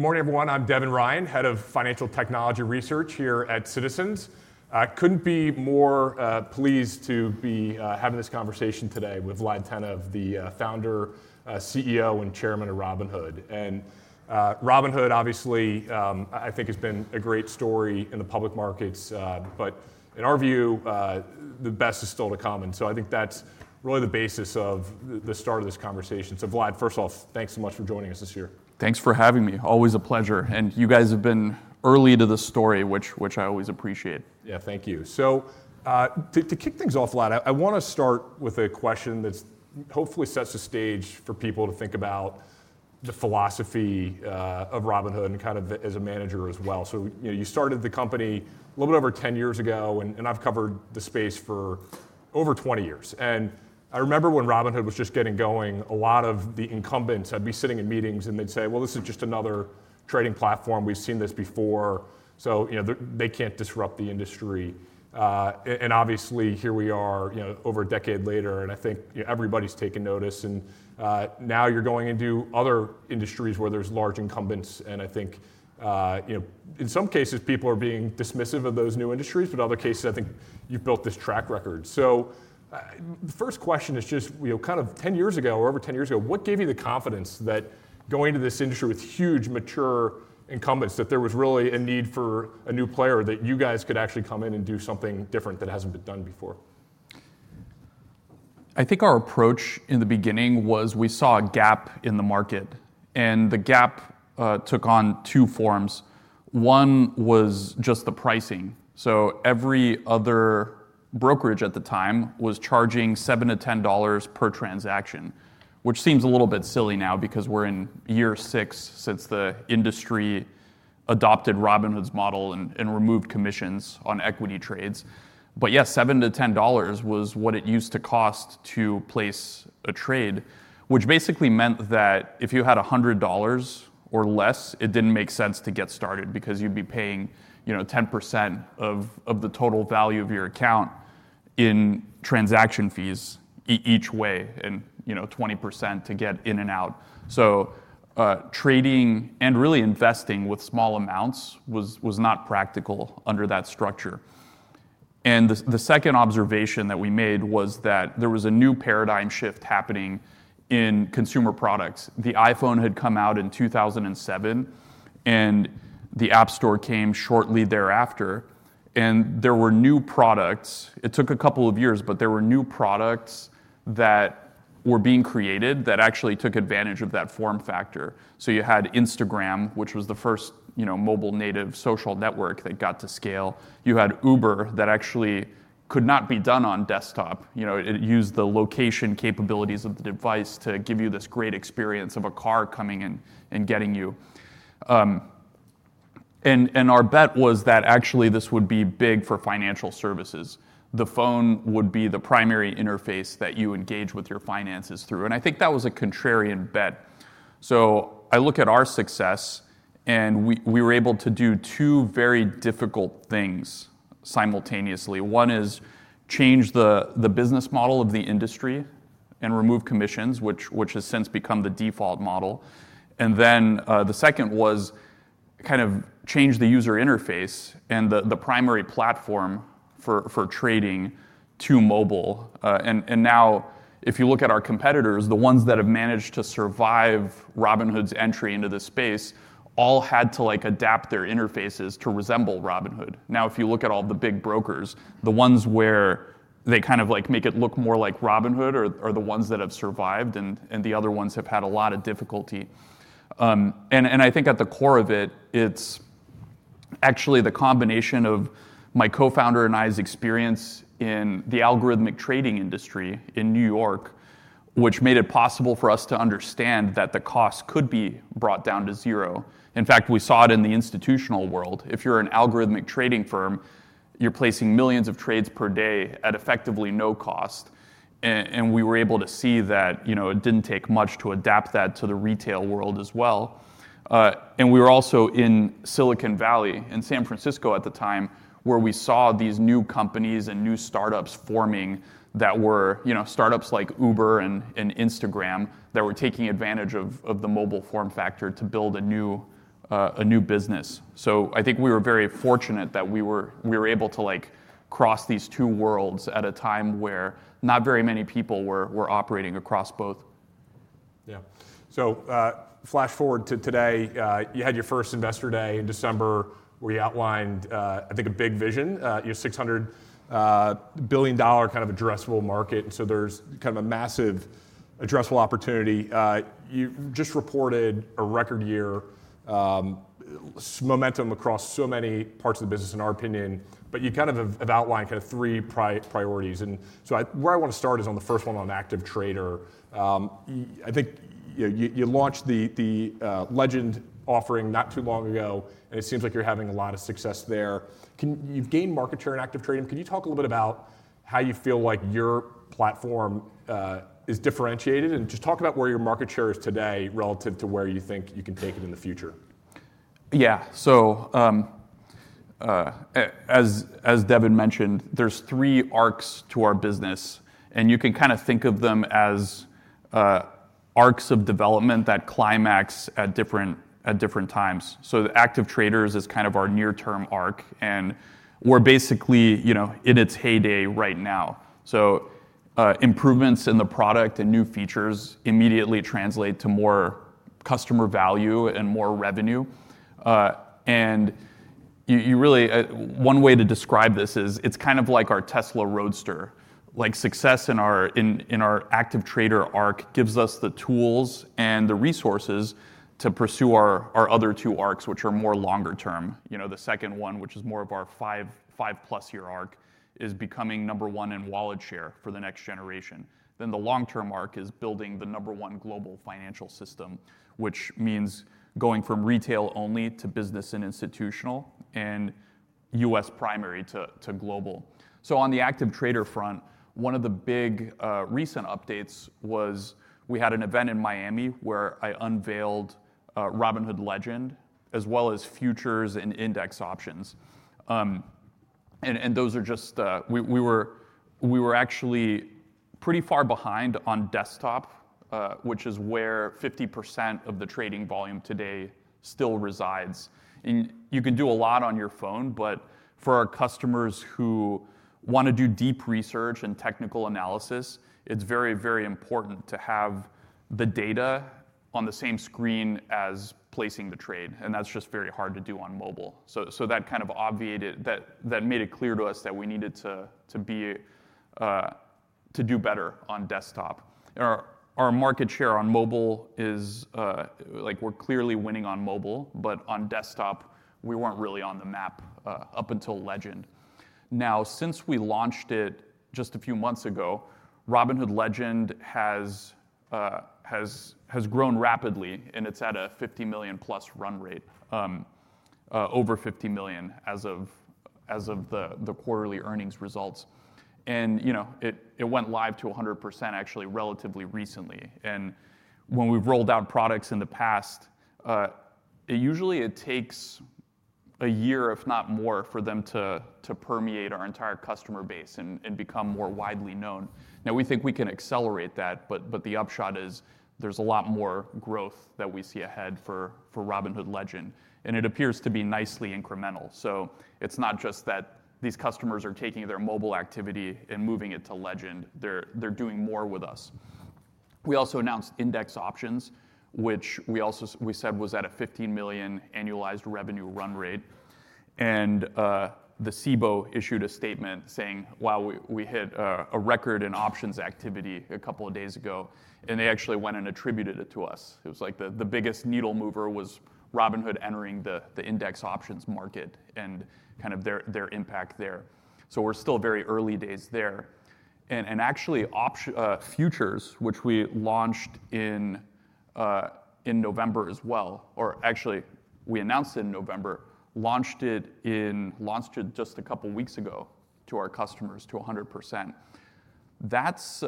Good morning, everyone. I'm Devin Ryan, Head of Financial Technology Research here at Citizens. I couldn't be more pleased to be having this conversation today with Vlad Tenev, the founder, CEO, and chairman of Robinhood. And Robinhood, obviously, I think, has been a great story in the public markets, but in our view, the best is still to come. And so I think that's really the basis of the start of this conversation. So Vlad, first of all, thanks so much for joining us this year. Thanks for having me. Always a pleasure. And you guys have been early to the story, which I always appreciate. Yeah, thank you. So to kick things off, Vlad, I want to start with a question that hopefully sets the stage for people to think about the philosophy of Robinhood and kind of as a manager as well. So you started the company a little bit over 10 years ago, and I've covered the space for over 20 years. And I remember when Robinhood was just getting going, a lot of the incumbents I'd be sitting in meetings, and they'd say, well, this is just another trading platform. We've seen this before. So they can't disrupt the industry. And obviously, here we are over a decade later, and I think everybody's taken notice. And now you're going into other industries where there's large incumbents. And I think in some cases, people are being dismissive of those new industries, but in other cases, I think you've built this track record. The first question is just kind of 10 years ago, or over 10 years ago, what gave you the confidence that going into this industry with huge, mature incumbents, that there was really a need for a new player, that you guys could actually come in and do something different that hasn't been done before? I think our approach in the beginning was we saw a gap in the market. And the gap took on two forms. One was just the pricing. So every other brokerage at the time was charging $7 to $10 per transaction, which seems a little bit silly now because we're in year six since the industry adopted Robinhood's model and removed commissions on equity trades. But yes, $7 to $10 was what it used to cost to place a trade, which basically meant that if you had $100 or less, it didn't make sense to get started because you'd be paying 10% of the total value of your account in transaction fees each way and 20% to get in and out. So trading and really investing with small amounts was not practical under that structure. And the second observation that we made was that there was a new paradigm shift happening in consumer products. The iPhone had come out in 2007, and the App Store came shortly thereafter. And there were new products, it took a couple of years, but there were new products that were being created that actually took advantage of that form factor. So you had Instagram, which was the first mobile native social network that got to scale. You had Uber that actually could not be done on desktop. It used the location capabilities of the device to give you this great experience of a car coming in and getting you. And our bet was that actually this would be big for financial services. The phone would be the primary interface that you engage with your finances through. And I think that was a contrarian bet. I look at our success, and we were able to do two very difficult things simultaneously. One is change the business model of the industry and remove commissions, which has since become the default model. And then the second was kind of change the user interface and the primary platform for trading to mobile. And now, if you look at our competitors, the ones that have managed to survive Robinhood's entry into this space all had to adapt their interfaces to resemble Robinhood. Now, if you look at all the big brokers, the ones where they kind of make it look more like Robinhood are the ones that have survived, and the other ones have had a lot of difficulty. I think at the core of it, it's actually the combination of my co-founder and I's experience in the algorithmic trading industry in New York, which made it possible for us to understand that the cost could be brought down to zero. In fact, we saw it in the institutional world. If you're an algorithmic trading firm, you're placing millions of trades per day at effectively no cost. We were able to see that it didn't take much to adapt that to the retail world as well. We were also in Silicon Valley in San Francisco at the time, where we saw these new companies and new startups forming that were startups like Uber and Instagram that were taking advantage of the mobile form factor to build a new business. So I think we were very fortunate that we were able to cross these two worlds at a time where not very many people were operating across both. Yeah. So flash forward to today. You had your first Investor Day in December, where you outlined, I think, a big vision, your $600 billion kind of addressable market. And so there's kind of a massive addressable opportunity. You just reported a record year momentum across so many parts of the business, in our opinion. But you kind of have outlined kind of three priorities. And so where I want to start is on the first one, on active trader. I think you launched the Legend offering not too long ago, and it seems like you're having a lot of success there. You've gained market share in active trading. Can you talk a little bit about how you feel like your platform is differentiated? And just talk about where your market share is today relative to where you think you can take it in the future. Yeah. So as Devin mentioned, there's three arcs to our business. And you can kind of think of them as arcs of development that climax at different times. So active traders is kind of our near-term arc. And we're basically in its heyday right now. So improvements in the product and new features immediately translate to more customer value and more revenue. And one way to describe this is it's kind of like our Tesla Roadster. Success in our active trader arc gives us the tools and the resources to pursue our other two arcs, which are more longer term. The second one, which is more of our 5+ year arc, is becoming number one in wallet share for the next generation. Then the long-term arc is building the number one global financial system, which means going from retail only to business and institutional and U.S. primary to global. So on the active trader front, one of the big recent updates was we had an event in Miami where I unveiled Robinhood Legend, as well as futures and index options. And those are just. We were actually pretty far behind on desktop, which is where 50% of the trading volume today still resides. And you can do a lot on your phone, but for our customers who want to do deep research and technical analysis, it's very, very important to have the data on the same screen as placing the trade. And that's just very hard to do on mobile. So that kind of obviated. That made it clear to us that we needed to do better on desktop. Our market share on mobile. We're clearly winning on mobile, but on desktop, we weren't really on the map up until Legend. Now, since we launched it just a few months ago, Robinhood Legend has grown rapidly, and it's at a 50 million run rate, over 50 million as of the quarterly earnings results. And it went live to 100% actually relatively recently. And when we've rolled out products in the past, usually it takes a year, if not more, for them to permeate our entire customer base and become more widely known. Now, we think we can accelerate that, but the upshot is there's a lot more growth that we see ahead for Robinhood Legend. And it appears to be nicely incremental. So it's not just that these customers are taking their mobile activity and moving it to Legend. They're doing more with us. We also announced index options, which we said was at a 15 million annualized revenue run rate. And the CBOE issued a statement saying, "Wow, we hit a record in options activity a couple of days ago." And they actually went and attributed it to us. It was like the biggest needle mover was Robinhood entering the index options market and kind of their impact there. So we're still very early days there. And actually, futures, which we launched in November as well, or actually, we announced it in November, launched it just a couple of weeks ago to our customers to 100%. That's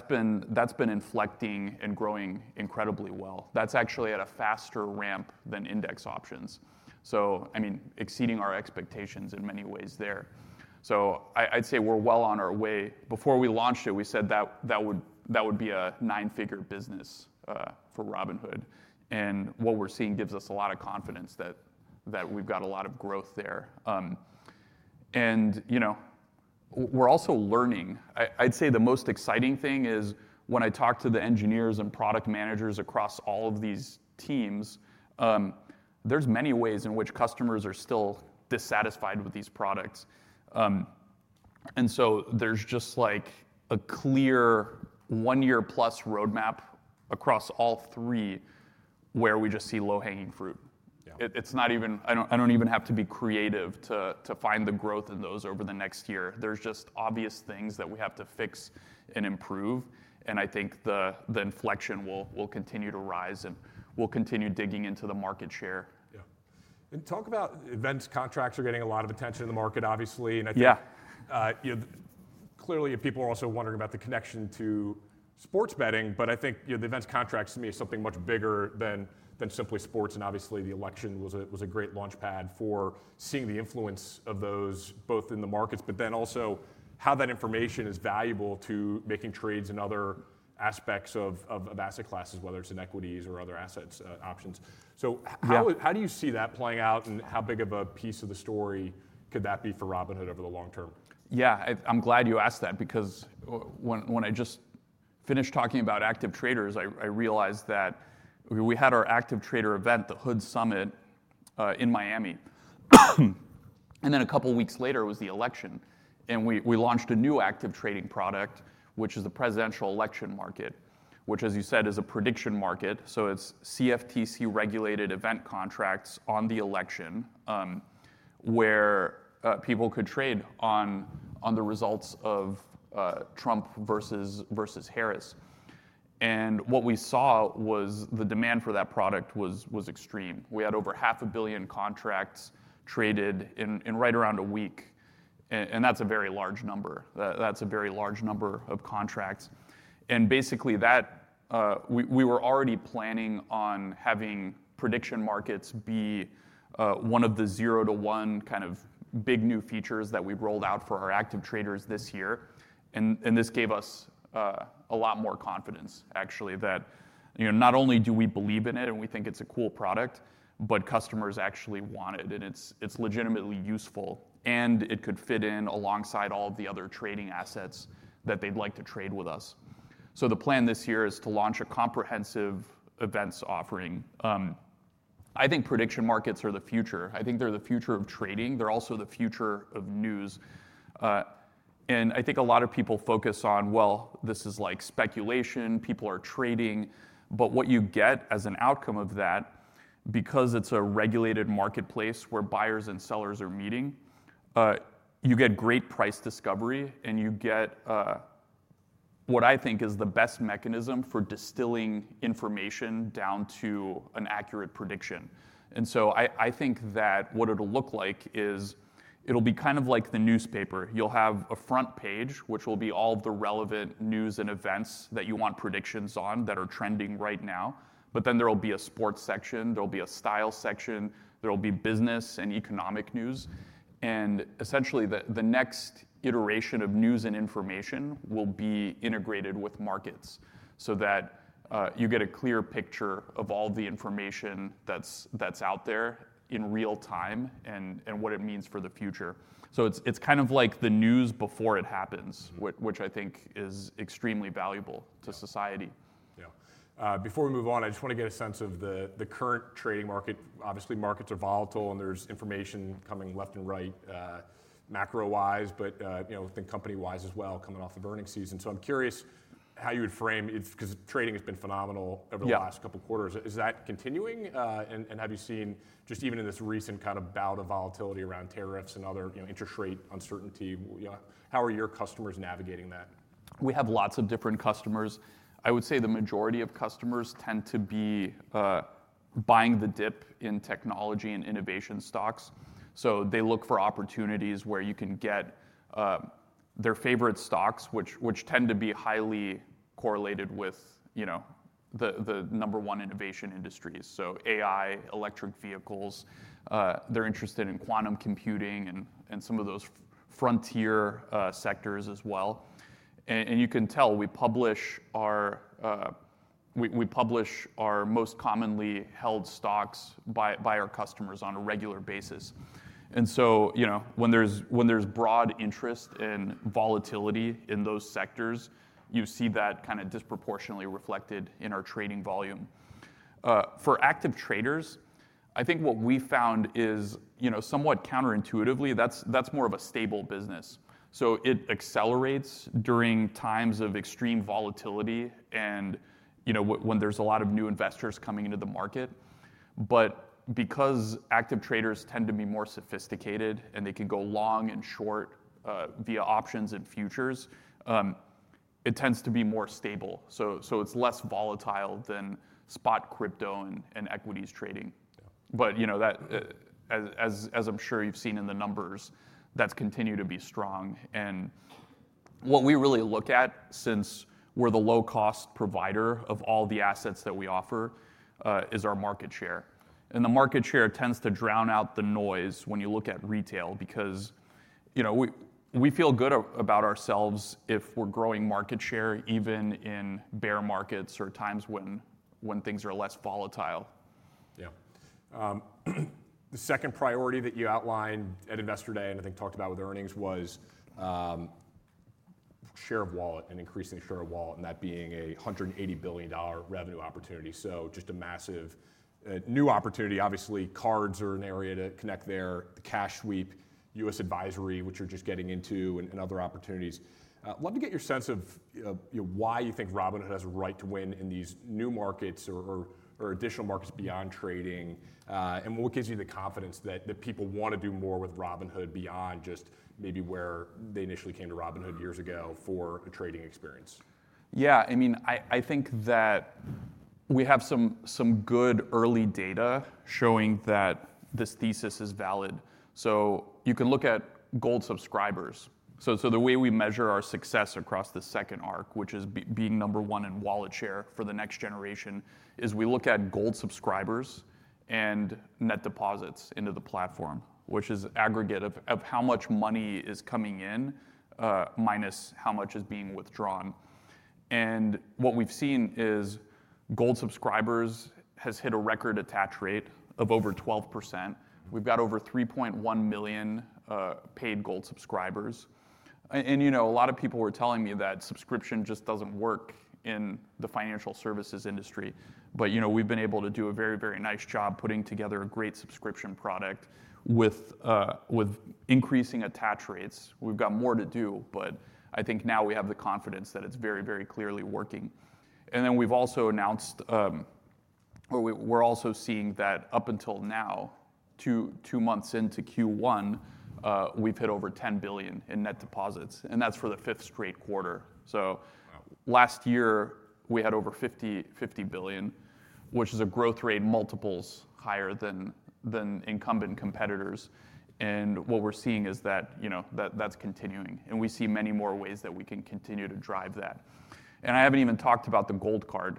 been inflecting and growing incredibly well. That's actually at a faster ramp than index options. So, I mean, exceeding our expectations in many ways there. So I'd say we're well on our way. Before we launched it, we said that would be a nine-figure business for Robinhood. What we're seeing gives us a lot of confidence that we've got a lot of growth there. We're also learning. I'd say the most exciting thing is when I talk to the engineers and product managers across all of these teams, there's many ways in which customers are still dissatisfied with these products. So there's just like a clear one-year-plus roadmap across all three where we just see low-hanging fruit. It's not even. I don't even have to be creative to find the growth in those over the next year. There's just obvious things that we have to fix and improve. I think the inflection will continue to rise, and we'll continue digging into the market share. Yeah. And talk about event contracts are getting a lot of attention in the market, obviously. And I think clearly people are also wondering about the connection to sports betting. But I think the event contracts to me is something much bigger than simply sports. And obviously, the election was a great launchpad for seeing the influence of those both in the markets, but then also how that information is valuable to making trades and other aspects of asset classes, whether it's in equities or other asset options. So how do you see that playing out, and how big of a piece of the story could that be for Robinhood over the long term? Yeah. I'm glad you asked that because when I just finished talking about active traders, I realized that we had our active trader event, the Hood Summit in Miami, and then a couple of weeks later was the election. And we launched a new active trading product, which is the presidential election market, which, as you said, is a prediction market, so it's CFTC-regulated event contracts on the election where people could trade on the results of Trump versus Harris. And what we saw was the demand for that product was extreme. We had over 500 million contracts traded in right around a week. And that's a very large number. That's a very large number of contracts. And basically, we were already planning on having prediction markets be one of the zero-to-one kind of big new features that we've rolled out for our active traders this year. This gave us a lot more confidence, actually, that not only do we believe in it and we think it's a cool product, but customers actually want it. It's legitimately useful. It could fit in alongside all of the other trading assets that they'd like to trade with us. So the plan this year is to launch a comprehensive events offering. I think prediction markets are the future. I think they're the future of trading. They're also the future of news. I think a lot of people focus on, well, this is like speculation. People are trading. But what you get as an outcome of that, because it's a regulated marketplace where buyers and sellers are meeting, you get great price discovery. You get what I think is the best mechanism for distilling information down to an accurate prediction. And so I think that what it'll look like is it'll be kind of like the newspaper. You'll have a front page, which will be all of the relevant news and events that you want predictions on that are trending right now. But then there'll be a sports section. There'll be a style section. There'll be business and economic news. And essentially, the next iteration of news and information will be integrated with markets so that you get a clear picture of all the information that's out there in real time and what it means for the future. So it's kind of like the news before it happens, which I think is extremely valuable to society. Yeah. Before we move on, I just want to get a sense of the current trading market. Obviously, markets are volatile, and there's information coming left and right, macro-wise, but I think company-wise as well coming off the earnings season. So I'm curious how you would frame it because trading has been phenomenal over the last couple of quarters. Is that continuing? And have you seen just even in this recent kind of bout of volatility around tariffs and other interest rate uncertainty, how are your customers navigating that? We have lots of different customers. I would say the majority of customers tend to be buying the dip in technology and innovation stocks. So they look for opportunities where you can get their favorite stocks, which tend to be highly correlated with the number one innovation industries. So AI, electric vehicles. They're interested in quantum computing and some of those frontier sectors as well. And you can tell we publish our most commonly held stocks by our customers on a regular basis. And so when there's broad interest and volatility in those sectors, you see that kind of disproportionately reflected in our trading volume. For active traders, I think what we found is somewhat counterintuitively, that's more of a stable business. So it accelerates during times of extreme volatility and when there's a lot of new investors coming into the market. But because active traders tend to be more sophisticated and they can go long and short via options and futures, it tends to be more stable. So it's less volatile than spot crypto and equities trading. But as I'm sure you've seen in the numbers, that's continued to be strong. And what we really look at since we're the low-cost provider of all the assets that we offer is our market share. And the market share tends to drown out the noise when you look at retail because we feel good about ourselves if we're growing market share even in bear markets or times when things are less volatile. Yeah. The second priority that you outlined at Investor Day and I think talked about with earnings was share of wallet and increasing share of wallet and that being a $180 billion revenue opportunity. So just a massive new opportunity. Obviously, cards are an area to connect there, the cash sweep, U.S. advisory, which you're just getting into, and other opportunities. I'd love to get your sense of why you think Robinhood has a right to win in these new markets or additional markets beyond trading. And what gives you the confidence that people want to do more with Robinhood beyond just maybe where they initially came to Robinhood years ago for a trading experience? Yeah. I mean, I think that we have some good early data showing that this thesis is valid. So you can look at Gold subscribers. So the way we measure our success across the second arc, which is being number one in wallet share for the next generation, is we look at Gold subscribers and net deposits into the platform, which is an aggregate of how much money is coming in minus how much is being withdrawn. And what we've seen is Gold subscribers has hit a record attach rate of over 12%. We've got over 3.1 million paid Gold subscribers. And a lot of people were telling me that subscription just doesn't work in the financial services industry. But we've been able to do a very, very nice job putting together a great subscription product with increasing attach rates. We've got more to do, but I think now we have the confidence that it's very, very clearly working. And then we've also announced we're also seeing that up until now, two months into Q1, we've hit over $10 billion in net deposits. And that's for the fifth straight quarter. So last year, we had over $50 billion, which is a growth rate multiples higher than incumbent competitors. And what we're seeing is that that's continuing. And we see many more ways that we can continue to drive that. And I haven't even talked about the Gold Card,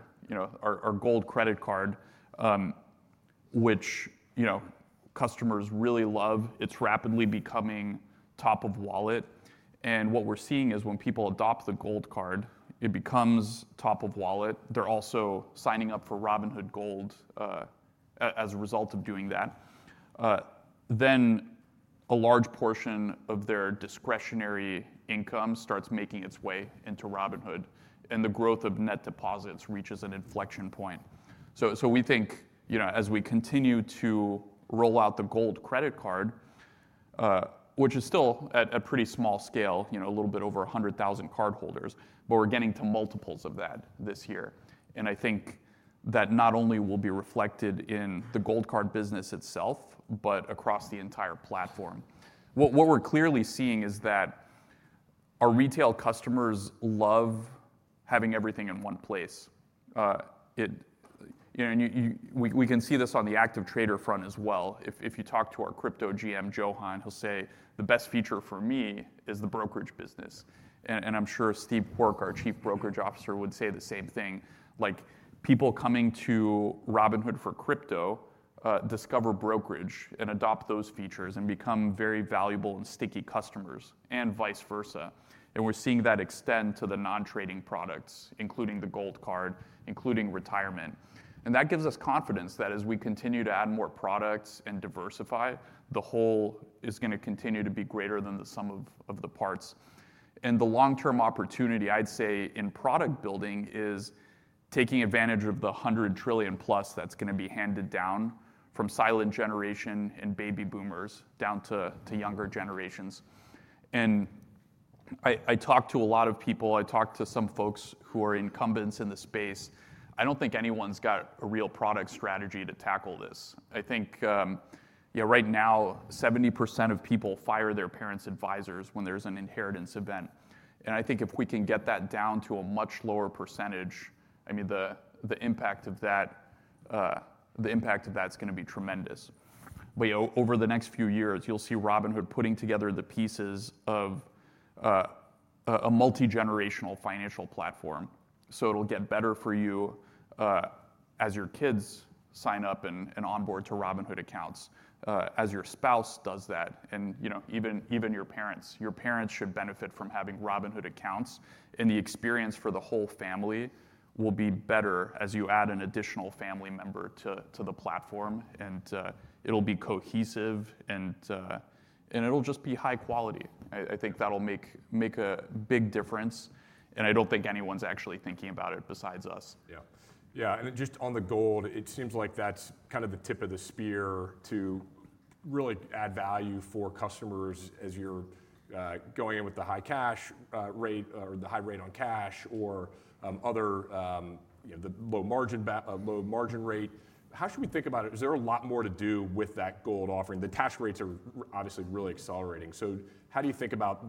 our Gold credit card, which customers really love. It's rapidly becoming top of wallet. And what we're seeing is when people adopt the Gold Card, it becomes top of wallet. They're also signing up for Robinhood Gold as a result of doing that. A large portion of their discretionary income starts making its way into Robinhood. The growth of net deposits reaches an inflection point. We think as we continue to roll out the Gold credit card, which is still at a pretty small scale, a little bit over 100,000 cardholders, but we're getting to multiples of that this year. I think that not only will be reflected in the Gold card business itself, but across the entire platform. What we're clearly seeing is that our retail customers love having everything in one place. We can see this on the active trader front as well. If you talk to our crypto GM, Johann, he'll say, "The best feature for me is the brokerage business." I'm sure Steve Quirk, our Chief Brokerage Officer, would say the same thing. People coming to Robinhood for crypto discover brokerage and adopt those features and become very valuable and sticky customers and vice versa. And we're seeing that extend to the non-trading products, including the Gold Card, including retirement. And that gives us confidence that as we continue to add more products and diversify, the whole is going to continue to be greater than the sum of the parts. And the long-term opportunity, I'd say, in product building is taking advantage of the $100+ trillion that's going to be handed down from Silent Generation and Baby Boomers down to younger generations. And I talked to a lot of people. I talked to some folks who are incumbents in the space. I don't think anyone's got a real product strategy to tackle this. I think right now, 70% of people fire their parents' advisors when there's an inheritance event. And I think if we can get that down to a much lower percentage, I mean, the impact of that, the impact of that's going to be tremendous. But over the next few years, you'll see Robinhood putting together the pieces of a multi-generational financial platform. So it'll get better for you as your kids sign up and onboard to Robinhood accounts, as your spouse does that, and even your parents. Your parents should benefit from having Robinhood accounts. And the experience for the whole family will be better as you add an additional family member to the platform. And it'll be cohesive. And it'll just be high quality. I think that'll make a big difference. And I don't think anyone's actually thinking about it besides us. Yeah. Yeah. And just on the Gold, it seems like that's kind of the tip of the spear to really add value for customers as you're going in with the high cash rate or the high rate on cash or the low margin rate. How should we think about it? Is there a lot more to do with that Gold offering? The attach rates are obviously really accelerating. So how do you think about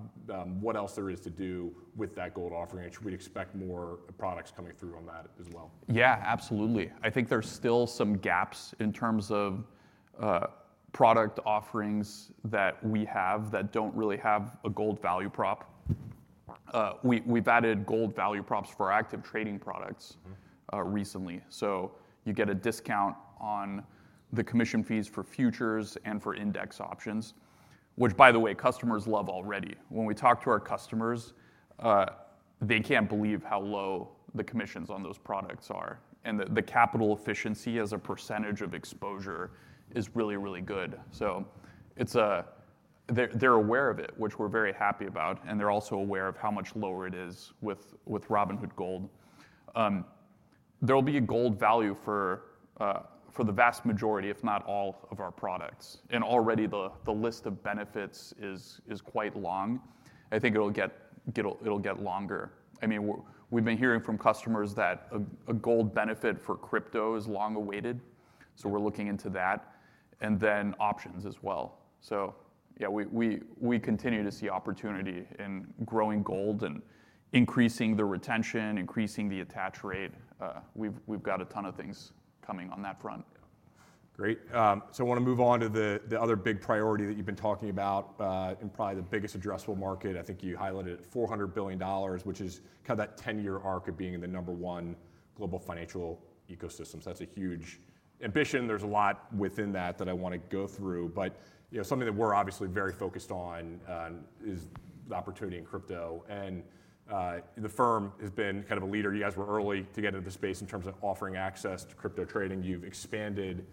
what else there is to do with that Gold offering? Should we expect more products coming through on that as well? Yeah, absolutely. I think there's still some gaps in terms of product offerings that we have that don't really have a Gold value prop. We've added Gold value props for active trading products recently. So you get a discount on the commission fees for futures and for index options, which, by the way, customers love already. When we talk to our customers, they can't believe how low the commissions on those products are. And the capital efficiency as a percentage of exposure is really, really good. So they're aware of it, which we're very happy about. And they're also aware of how much lower it is with Robinhood Gold. There'll be a Gold value for the vast majority, if not all, of our products. And already, the list of benefits is quite long. I think it'll get longer. I mean, we've been hearing from customers that a Gold benefit for crypto is long awaited. So we're looking into that. And then options as well. So yeah, we continue to see opportunity in growing Gold and increasing the retention, increasing the attach rate. We've got a ton of things coming on that front. Great. So I want to move on to the other big priority that you've been talking about and probably the biggest addressable market. I think you highlighted $400 billion, which is kind of that 10-year arc of being the number one global financial ecosystem. So that's a huge ambition. There's a lot within that that I want to go through. But something that we're obviously very focused on is the opportunity in crypto. And the firm has been kind of a leader. You guys were early to get into the space in terms of offering access to crypto trading. You've expanded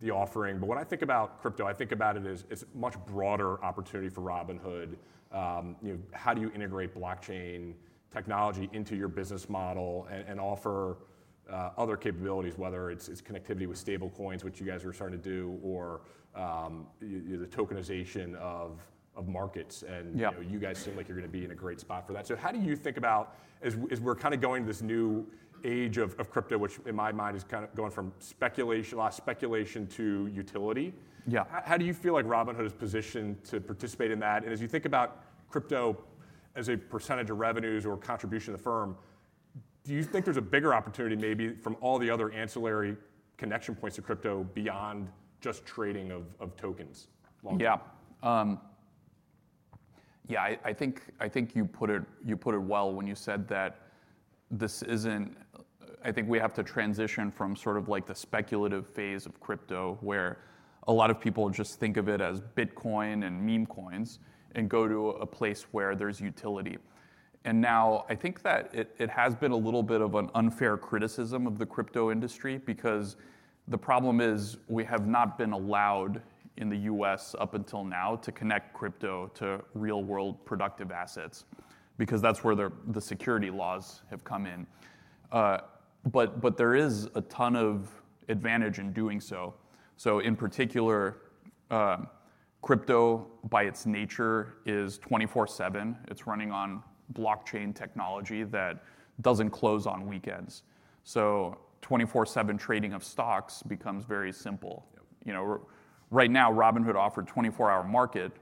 the offering. But when I think about crypto, I think about it as a much broader opportunity for Robinhood. How do you integrate blockchain technology into your business model and offer other capabilities, whether it's connectivity with stablecoins, which you guys are starting to do, or the tokenization of markets? And you guys seem like you're going to be in a great spot for that. So how do you think about as we're kind of going to this new age of crypto, which in my mind is kind of going from a lot of speculation to utility? Yeah. How do you feel like Robinhood is positioned to participate in that? And as you think about crypto as a percentage of revenues or contribution to the firm, do you think there's a bigger opportunity maybe from all the other ancillary connection points to crypto beyond just trading of tokens? Yeah. Yeah, I think you put it well when you said that this isn't. I think we have to transition from sort of like the speculative phase of crypto where a lot of people just think of it as Bitcoin and meme coins and go to a place where there's utility. And now I think that it has been a little bit of an unfair criticism of the crypto industry because the problem is we have not been allowed in the U.S. up until now to connect crypto to real-world productive assets because that's where the securities laws have come in. But there is a ton of advantage in doing so. So in particular, crypto by its nature is 24/7. It's running on blockchain technology that doesn't close on weekends. So 24/7 trading of stocks becomes very simple. Right now, Robinhood offered 24 Hour Market,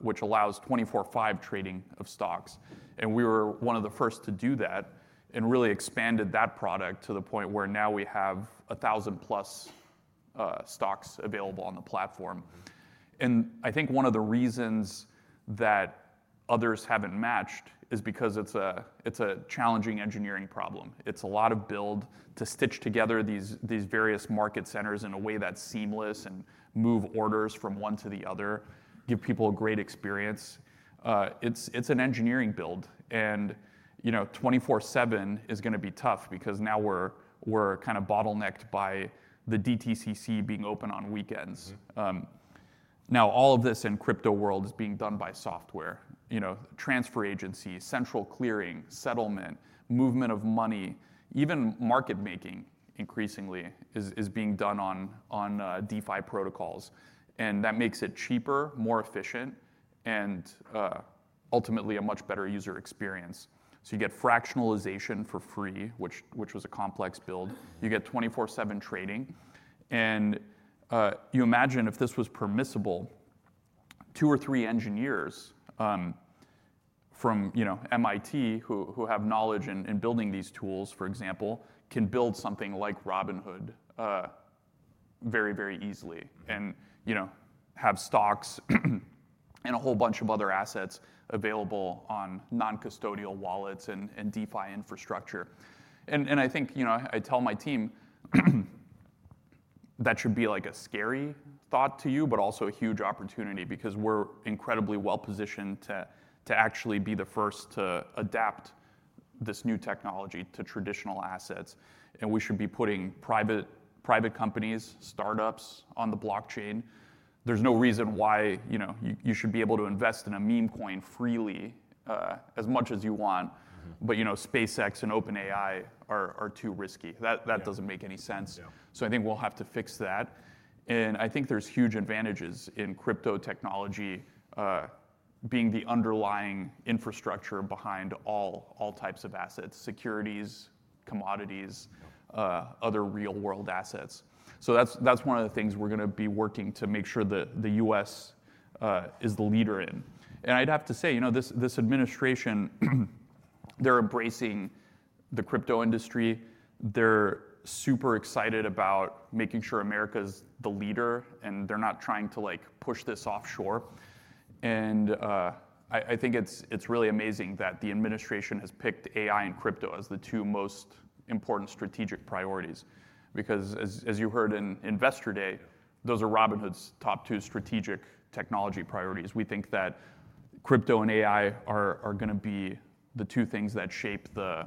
which allows 24/5 trading of stocks. We were one of the first to do that and really expanded that product to the point where now we have 1,000+ stocks available on the platform. I think one of the reasons that others haven't matched is because it's a challenging engineering problem. It's a lot of build to stitch together these various market centers in a way that's seamless and move orders from one to the other, give people a great experience. It's an engineering build. 24/7 is going to be tough because now we're kind of bottlenecked by the DTCC being open on weekends. Now all of this in crypto world is being done by software. Transfer agency, central clearing, settlement, movement of money, even market making increasingly is being done on DeFi protocols. That makes it cheaper, more efficient, and ultimately a much better user experience. So you get fractionalization for free, which was a complex build. You get 24/7 trading. And you imagine if this was permissible, two or three engineers from MIT who have knowledge in building these tools, for example, can build something like Robinhood very, very easily and have stocks and a whole bunch of other assets available on non-custodial wallets and DeFi infrastructure. And I tell my team that should be like a scary thought to you, but also a huge opportunity because we're incredibly well positioned to actually be the first to adapt this new technology to traditional assets. And we should be putting private companies, startups on the blockchain. There's no reason why you should be able to invest in a meme coin freely as much as you want. But SpaceX and OpenAI are too risky. That doesn't make any sense. So I think we'll have to fix that. And I think there's huge advantages in crypto technology being the underlying infrastructure behind all types of assets, securities, commodities, other real-world assets. So that's one of the things we're going to be working to make sure that the U.S. is the leader in. And I'd have to say this administration, they're embracing the crypto industry. They're super excited about making sure America is the leader, and they're not trying to push this offshore. And I think it's really amazing that the administration has picked AI and crypto as the two most important strategic priorities because as you heard in Investor Day, those are Robinhood's top two strategic technology priorities. We think that crypto and AI are going to be the two things that shape the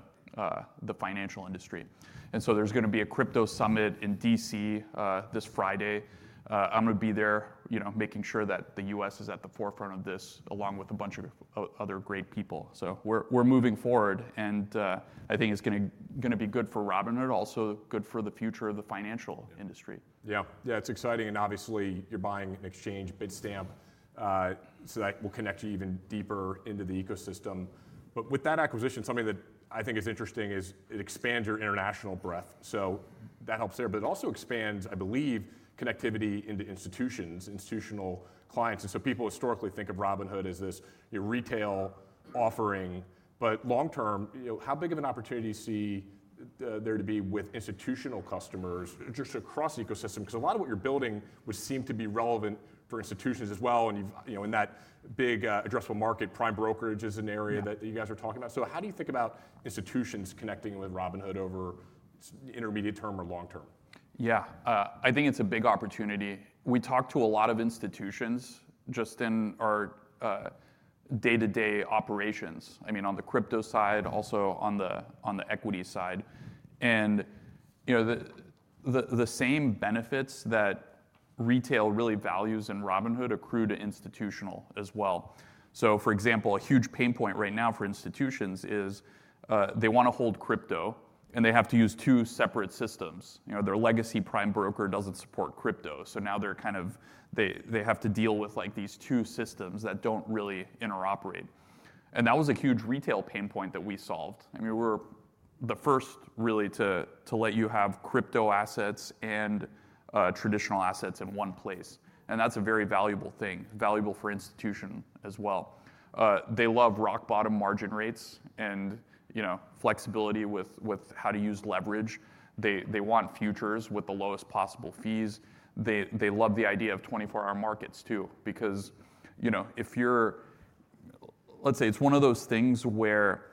financial industry. And so there's going to be a crypto summit in D.C. this Friday. I'm going to be there making sure that the U.S. is at the forefront of this along with a bunch of other great people. So we're moving forward. And I think it's going to be good for Robinhood, also good for the future of the financial industry. Yeah. Yeah, it's exciting. And obviously, you're buying an exchange, Bitstamp, so that will connect you even deeper into the ecosystem. But with that acquisition, something that I think is interesting is it expands your international breadth. So that helps there. But it also expands, I believe, connectivity into institutions, institutional clients. And so people historically think of Robinhood as this retail offering. But long term, how big of an opportunity do you see there to be with institutional customers just across the ecosystem? Because a lot of what you're building would seem to be relevant for institutions as well. And in that big addressable market, prime brokerage is an area that you guys are talking about. So how do you think about institutions connecting with Robinhood over intermediate term or long term? Yeah. I think it's a big opportunity. We talk to a lot of institutions just in our day-to-day operations, I mean, on the crypto side, also on the equity side. And the same benefits that retail really values in Robinhood accrue to institutional as well. So for example, a huge pain point right now for institutions is they want to hold crypto, and they have to use two separate systems. Their legacy prime broker doesn't support crypto. So now they're kind of have to deal with these two systems that don't really interoperate. And that was a huge retail pain point that we solved. I mean, we're the first really to let you have crypto assets and traditional assets in one place. And that's a very valuable thing, valuable for institution as well. They love rock bottom margin rates and flexibility with how to use leverage. They want futures with the lowest possible fees. They love the idea of 24 Hour Markets too because if you're, let's say, it's one of those things where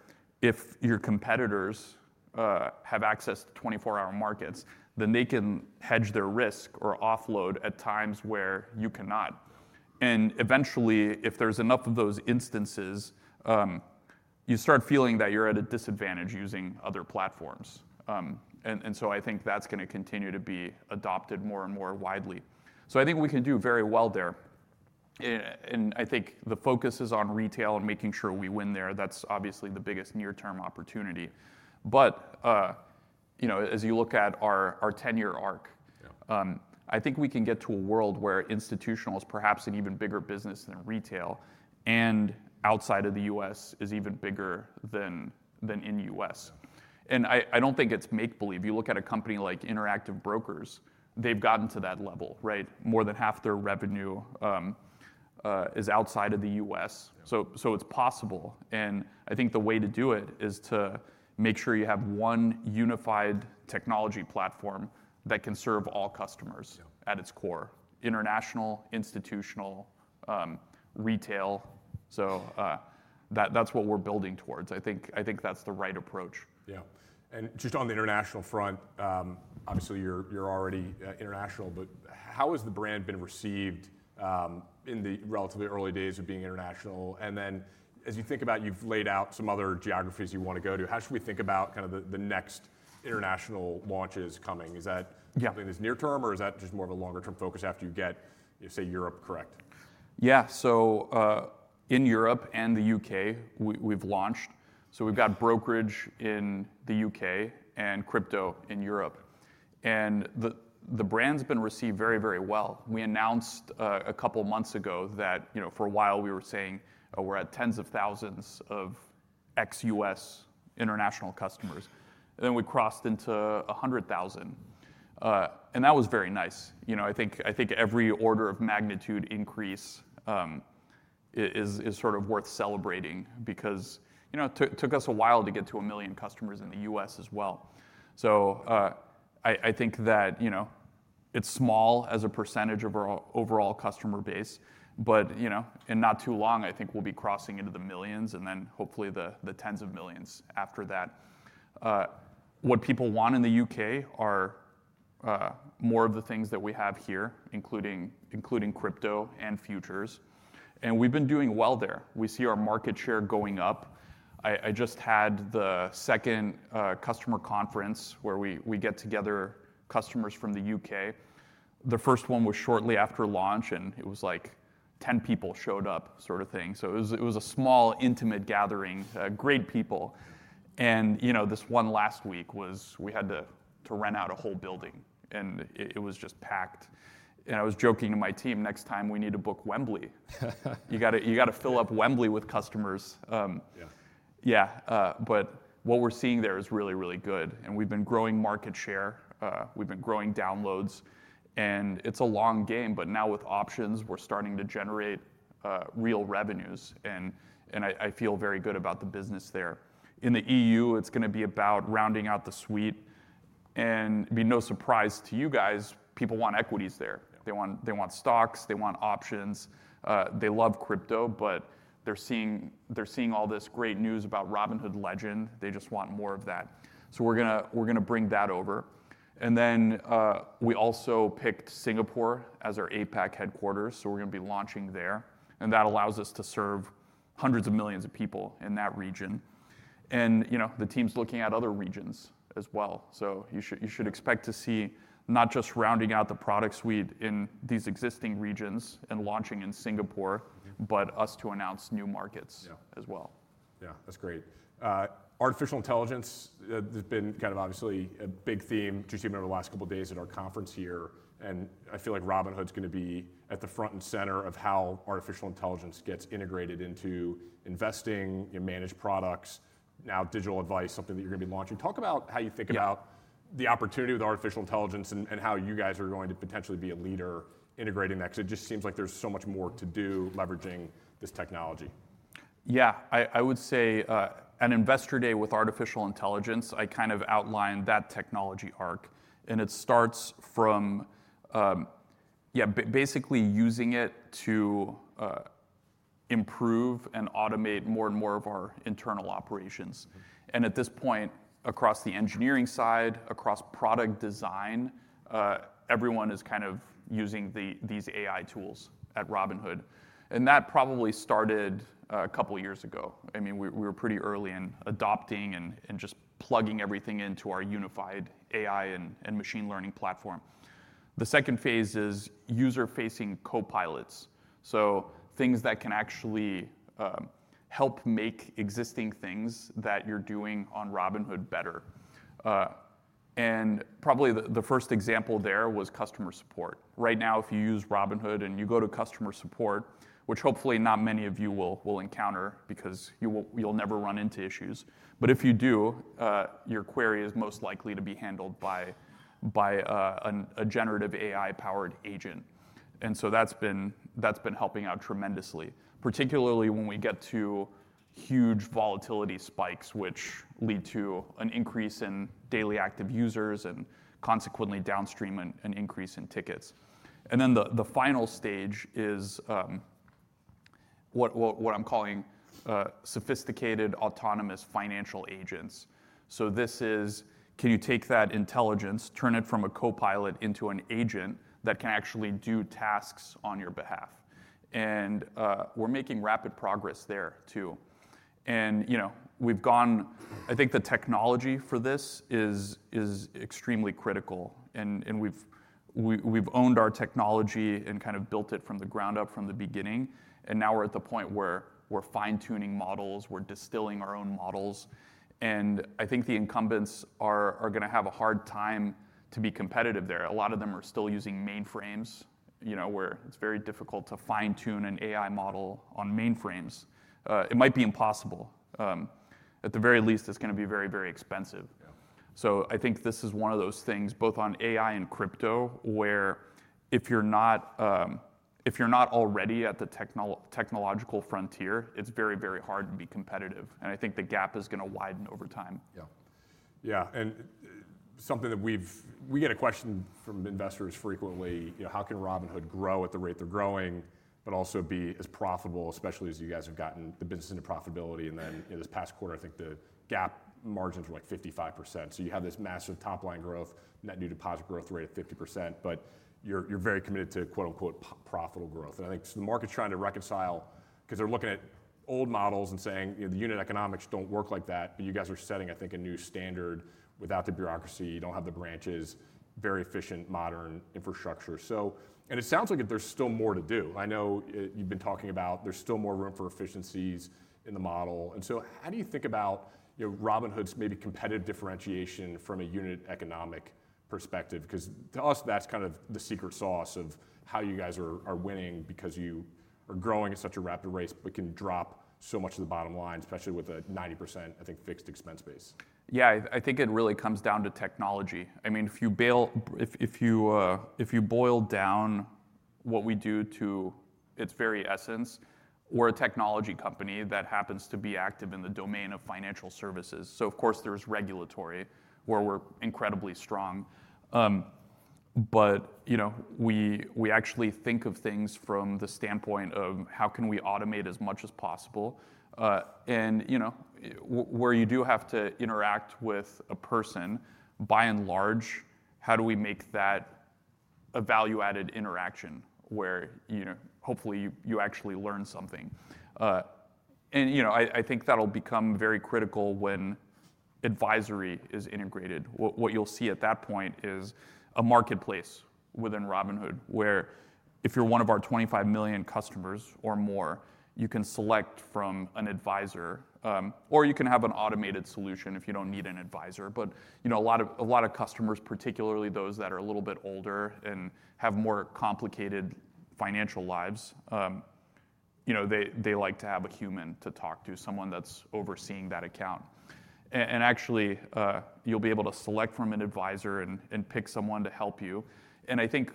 if your competitors have access to 24 Hour Markets, then they can hedge their risk or offload at times where you cannot. And eventually, if there's enough of those instances, you start feeling that you're at a disadvantage using other platforms. And so I think that's going to continue to be adopted more and more widely. So I think we can do very well there. And I think the focus is on retail and making sure we win there. That's obviously the biggest near-term opportunity. But as you look at our 10-year arc, I think we can get to a world where institutional is perhaps an even bigger business than retail. And outside of the U.S. is even bigger than in U.S. I don't think it's make believe. You look at a company like Interactive Brokers. They've gotten to that level, right? More than half their revenue is outside of the U.S. So it's possible. I think the way to do it is to make sure you have one unified technology platform that can serve all customers at its core: international, institutional, retail. So that's what we're building towards. I think that's the right approach. Yeah, and just on the international front, obviously, you're already international. But how has the brand been received in the relatively early days of being international? And then, as you think about you've laid out some other geographies you want to go to, how should we think about kind of the next international launches coming? Is that something that's near-term, or is that just more of a longer-term focus after you get, say, Europe correct? Yeah. So in Europe and the U.K., we've launched. So we've got brokerage in the U.K. and crypto in Europe. And the brand's been received very, very well. We announced a couple of months ago that for a while we were saying we're at tens of thousands of ex-U.S. international customers. And then we crossed into 100,000. And that was very nice. I think every order of magnitude increase is sort of worth celebrating because it took us a while to get to a million customers in the U.S. as well. So I think that it's small as a percentage of our overall customer base. But in not too long, I think we'll be crossing into the millions and then hopefully the tens of millions after that. What people want in the U.K. are more of the things that we have here, including crypto and futures. We've been doing well there. We see our market share going up. I just had the second customer conference where we get together customers from the UK. The first one was shortly after launch, and it was like 10 people showed up sort of thing. It was a small, intimate gathering, great people. This one last week was we had to rent out a whole building, and it was just packed. I was joking to my team, next time we need to book Wembley. You got to fill up Wembley with customers. Yeah. What we're seeing there is really, really good. We've been growing market share. We've been growing downloads. It's a long game. Now with options, we're starting to generate real revenues. I feel very good about the business there. In the EU, it's going to be about rounding out the suite, and it'd be no surprise to you guys. People want equities there. They want stocks. They want options. They love crypto, but they're seeing all this great news about Robinhood Legend. They just want more of that, so we're going to bring that over, and then we also picked Singapore as our APAC headquarters, so we're going to be launching there. And that allows us to serve hundreds of millions of people in that region, and the team's looking at other regions as well, so you should expect to see not just rounding out the product suite in these existing regions and launching in Singapore, but us to announce new markets as well. Yeah, that's great. Artificial intelligence has been kind of obviously a big theme to share over the last couple of days at our conference here, and I feel like Robinhood's going to be at the front and center of how artificial intelligence gets integrated into investing, managed products, now digital advice, something that you're going to be launching. Talk about how you think about the opportunity with artificial intelligence and how you guys are going to potentially be a leader integrating that because it just seems like there's so much more to do leveraging this technology. Yeah. I would say an Investor Day with artificial intelligence. I kind of outlined that technology arc. And it starts from, yeah, basically using it to improve and automate more and more of our internal operations. And at this point, across the engineering side, across product design, everyone is kind of using these AI tools at Robinhood. And that probably started a couple of years ago. I mean, we were pretty early in adopting and just plugging everything into our unified AI and machine learning platform. The second phase is user-facing copilots. So things that can actually help make existing things that you're doing on Robinhood better. And probably the first example there was customer support. Right now, if you use Robinhood and you go to customer support, which hopefully not many of you will encounter because you'll never run into issues. But if you do, your query is most likely to be handled by a generative AI-powered agent. And so that's been helping out tremendously, particularly when we get to huge volatility spikes, which lead to an increase in daily active users and consequently downstream an increase in tickets. And then the final stage is what I'm calling sophisticated autonomous financial agents. So this is, can you take that intelligence, turn it from a copilot into an agent that can actually do tasks on your behalf? And we're making rapid progress there too. And we've gone, I think the technology for this is extremely critical. And we've owned our technology and kind of built it from the ground up from the beginning. And now we're at the point where we're fine-tuning models. We're distilling our own models. And I think the incumbents are going to have a hard time to be competitive there. A lot of them are still using mainframes, where it's very difficult to fine-tune an AI model on mainframes. It might be impossible. At the very least, it's going to be very, very expensive. So I think this is one of those things both on AI and crypto where if you're not already at the technological frontier, it's very, very hard to be competitive. And I think the gap is going to widen over time. Yeah. Yeah. And something that we get a question from investors frequently, how can Robinhood grow at the rate they're growing, but also be as profitable, especially as you guys have gotten the business into profitability? And then this past quarter, I think the GAAP margins were like 55%. So you have this massive top-line growth, net new deposit growth rate of 50%. But you're very committed to quote unquote profitable growth. And I think so the market's trying to reconcile because they're looking at old models and saying the unit economics don't work like that. But you guys are setting, I think, a new standard without the bureaucracy. You don't have the branches, very efficient modern infrastructure. And it sounds like there's still more to do. I know you've been talking about there's still more room for efficiencies in the model. How do you think about Robinhood's maybe competitive differentiation from a unit economic perspective? Because to us, that's kind of the secret sauce of how you guys are winning because you are growing at such a rapid rate but can drop so much of the bottom line, especially with a 90%, I think, fixed expense base. Yeah. I think it really comes down to technology. I mean, if you boil down what we do to its very essence, we're a technology company that happens to be active in the domain of financial services. So of course, there's regulatory where we're incredibly strong. But we actually think of things from the standpoint of how can we automate as much as possible. And where you do have to interact with a person, by and large, how do we make that a value-added interaction where hopefully you actually learn something? And I think that'll become very critical when advisory is integrated. What you'll see at that point is a marketplace within Robinhood where if you're one of our 25 million customers or more, you can select from an advisor, or you can have an automated solution if you don't need an advisor. But a lot of customers, particularly those that are a little bit older and have more complicated financial lives, they like to have a human to talk to, someone that's overseeing that account. And actually, you'll be able to select from an advisor and pick someone to help you. And I think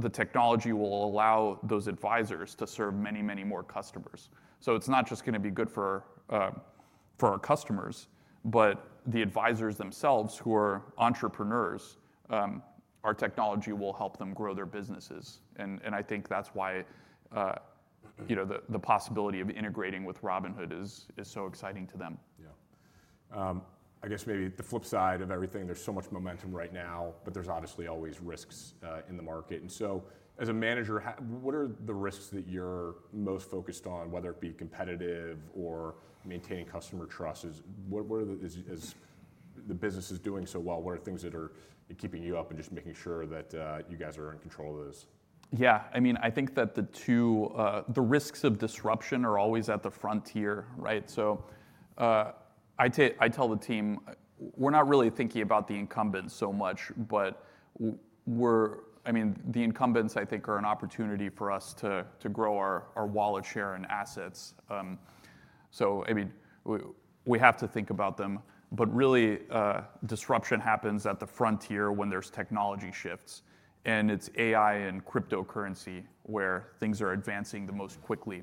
the technology will allow those advisors to serve many, many more customers. So it's not just going to be good for our customers, but the advisors themselves who are entrepreneurs, our technology will help them grow their businesses. And I think that's why the possibility of integrating with Robinhood is so exciting to them. Yeah. I guess maybe the flip side of everything, there's so much momentum right now, but there's obviously always risks in the market. And so as a manager, what are the risks that you're most focused on, whether it be competitive or maintaining customer trust? As the business is doing so well, what are things that are keeping you up and just making sure that you guys are in control of those? Yeah. I mean, I think that the risks of disruption are always at the frontier, right? So I tell the team, we're not really thinking about the incumbents so much, but I mean, the incumbents, I think, are an opportunity for us to grow our wallet share and assets. So I mean, we have to think about them. But really, disruption happens at the frontier when there's technology shifts. And it's AI and cryptocurrency where things are advancing the most quickly.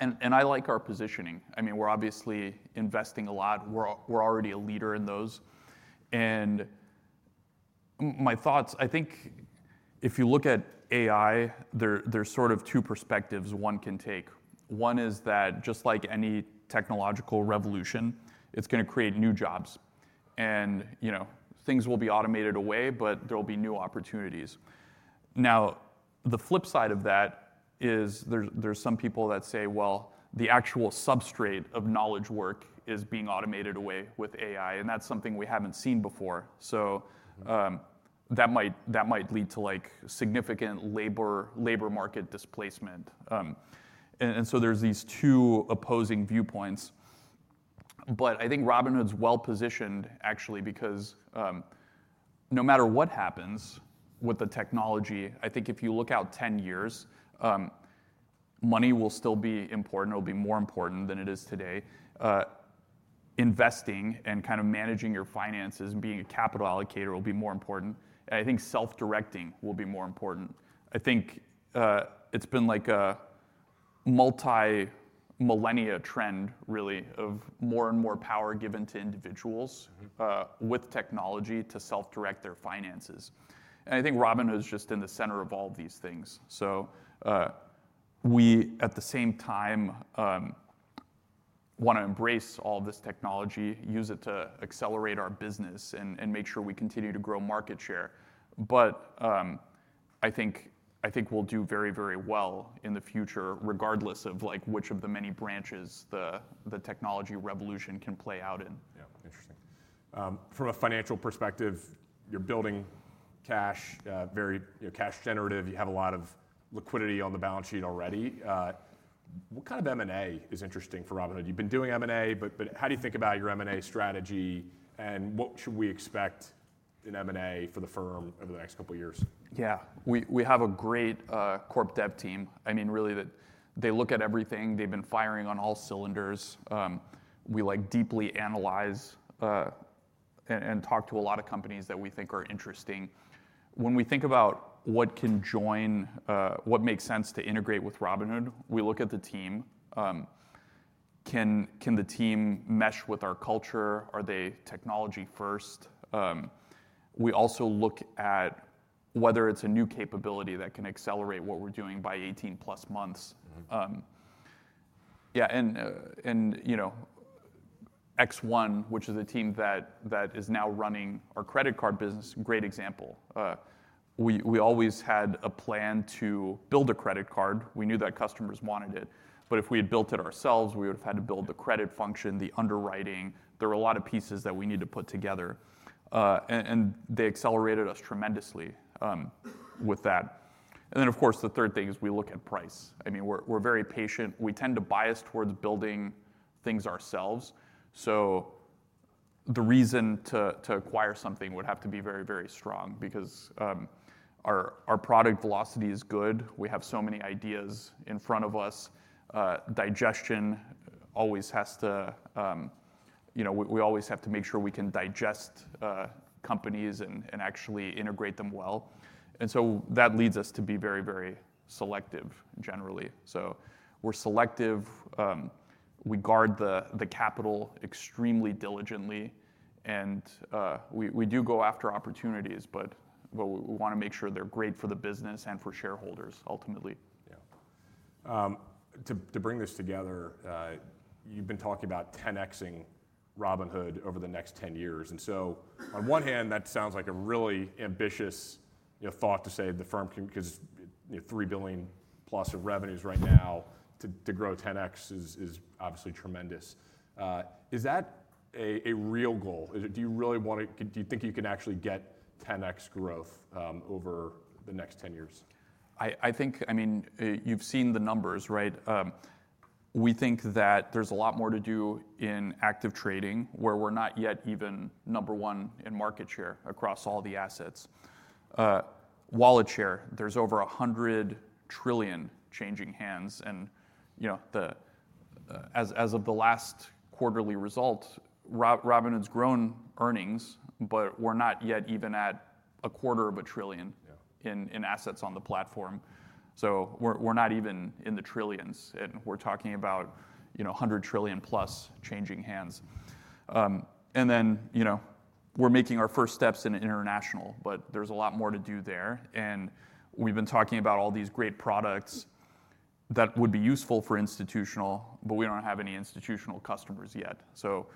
And I like our positioning. I mean, we're obviously investing a lot. We're already a leader in those. And my thoughts, I think if you look at AI, there's sort of two perspectives one can take. One is that just like any technological revolution, it's going to create new jobs. And things will be automated away, but there will be new opportunities. Now, the flip side of that is there's some people that say, well, the actual substrate of knowledge work is being automated away with AI. And that's something we haven't seen before. So that might lead to significant labor market displacement. And so there's these two opposing viewpoints. But I think Robinhood's well positioned, actually, because no matter what happens with the technology, I think if you look out 10 years, money will still be important. It'll be more important than it is today. Investing and kind of managing your finances and being a capital allocator will be more important. And I think self-directing will be more important. I think it's been like a multi-millennia trend, really, of more and more power given to individuals with technology to self-direct their finances. And I think Robinhood's just in the center of all of these things. So we, at the same time, want to embrace all this technology, use it to accelerate our business, and make sure we continue to grow market share. But I think we'll do very, very well in the future, regardless of which of the many branches the technology revolution can play out in. Yeah. Interesting. From a financial perspective, you're building cash, very cash generative. You have a lot of liquidity on the balance sheet already. What kind of M&A is interesting for Robinhood? You've been doing M&A, but how do you think about your M&A strategy? And what should we expect in M&A for the firm over the next couple of years? Yeah. We have a great corp dev team. I mean, really, they look at everything. They've been firing on all cylinders. We deeply analyze and talk to a lot of companies that we think are interesting. When we think about what can join, what makes sense to integrate with Robinhood, we look at the team. Can the team mesh with our culture? Are they technology first? We also look at whether it's a new capability that can accelerate what we're doing by 18+ months. Yeah. And X1, which is the team that is now running our credit card business, great example. We always had a plan to build a credit card. We knew that customers wanted it. But if we had built it ourselves, we would have had to build the credit function, the underwriting. There were a lot of pieces that we need to put together. And they accelerated us tremendously with that. And then, of course, the third thing is we look at price. I mean, we're very patient. We tend to bias towards building things ourselves. So the reason to acquire something would have to be very, very strong because our product velocity is good. We have so many ideas in front of us. We always have to make sure we can digest companies and actually integrate them well. And so that leads us to be very, very selective, generally. So we're selective. We guard the capital extremely diligently. And we do go after opportunities, but we want to make sure they're great for the business and for shareholders, ultimately. Yeah. To bring this together, you've been talking about 10xing Robinhood over the next 10 years. And so on one hand, that sounds like a really ambitious thought to say the firm can go from $3+ billion in revenues right now to grow 10x is obviously tremendous. Is that a real goal? Do you really want to? Do you think you can actually get 10x growth over the next 10 years? I think, I mean, you've seen the numbers, right? We think that there's a lot more to do in active trading where we're not yet even number one in market share across all the assets. Wallet share, there's over $100 trillion changing hands. And as of the last quarterly result, Robinhood's grown earnings, but we're not yet even at $0.25 trillion in assets on the platform. So we're not even in the trillions. And we're talking about $100+ trillion changing hands. And then we're making our first steps in international, but there's a lot more to do there. And we've been talking about all these great products that would be useful for institutional, but we don't have any institutional customers yet. So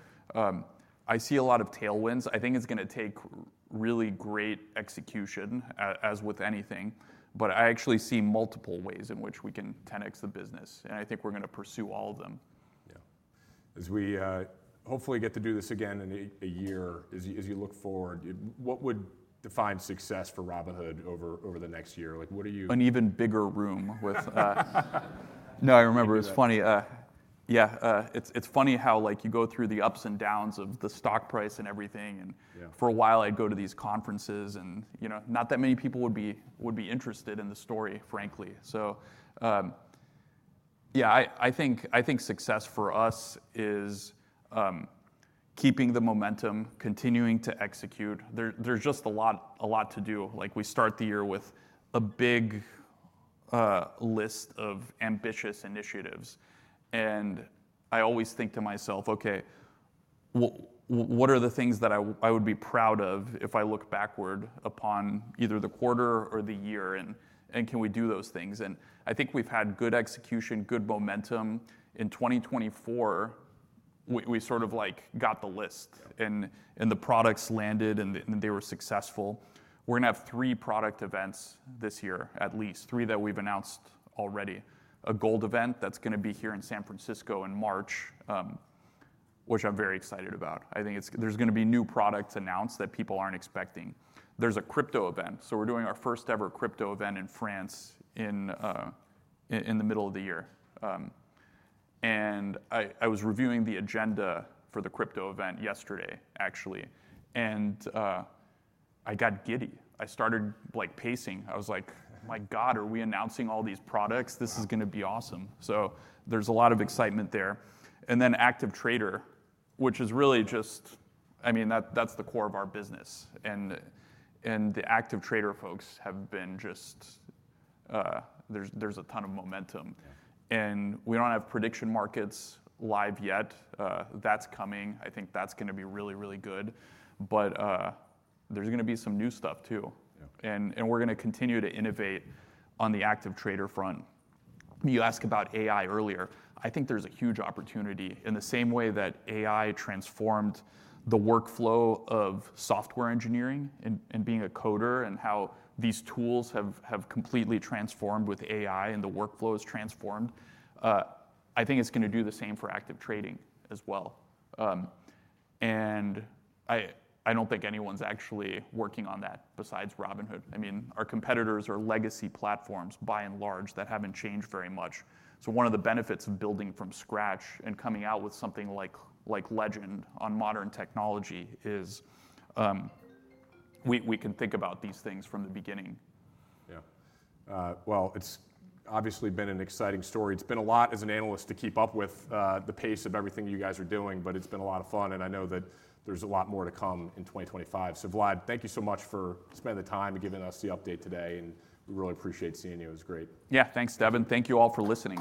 I see a lot of tailwinds. I think it's going to take really great execution, as with anything. But I actually see multiple ways in which we can 10x the business. And I think we're going to pursue all of them. Yeah. As we hopefully get to do this again in a year, as you look forward, what would define success for Robinhood over the next year? An even bigger room, no. I remember. It was funny. Yeah. It's funny how you go through the ups and downs of the stock price and everything. For a while, I'd go to these conferences. Not that many people would be interested in the story, frankly. So yeah, I think success for us is keeping the momentum, continuing to execute. There's just a lot to do. We start the year with a big list of ambitious initiatives. I always think to myself, OK, what are the things that I would be proud of if I look backward upon either the quarter or the year? Can we do those things? I think we've had good execution, good momentum. In 2024, we sort of got the list. The products landed, and they were successful. We're going to have three product events this year, at least three that we've announced already. A Gold event that's going to be here in San Francisco in March, which I'm very excited about. I think there's going to be new products announced that people aren't expecting. There's a crypto event, so we're doing our first-ever crypto event in France in the middle of the year, and I was reviewing the agenda for the crypto event yesterday, actually, and I got giddy. I started pacing. I was like, my God, are we announcing all these products? This is going to be awesome, so there's a lot of excitement there, and then active trader, which is really just, I mean, that's the core of our business, and the active trader folks have been just there's a ton of momentum. And we don't have prediction markets live yet. That's coming. I think that's going to be really, really good. But there's going to be some new stuff, too. And we're going to continue to innovate on the active trader front. You asked about AI earlier. I think there's a huge opportunity in the same way that AI transformed the workflow of software engineering and being a coder and how these tools have completely transformed with AI and the workflow has transformed. I think it's going to do the same for active trading as well. And I don't think anyone's actually working on that besides Robinhood. I mean, our competitors are legacy platforms, by and large, that haven't changed very much. So one of the benefits of building from scratch and coming out with something like Legend on modern technology is we can think about these things from the beginning. Yeah. Well, it's obviously been an exciting story. It's been a lot as an analyst to keep up with the pace of everything you guys are doing, but it's been a lot of fun. And I know that there's a lot more to come in 2025. So Vlad, thank you so much for spending the time and giving us the update today. And we really appreciate seeing you. It was great. Yeah. Thanks, Devin. Thank you all for listening.